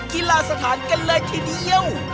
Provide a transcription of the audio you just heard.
กีฬาสถานกันเลยทีเดียว